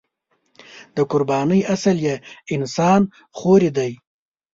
د قربانۍ اصل یې انسان خوري دی.